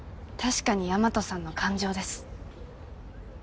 たしかに大和さんの感情です。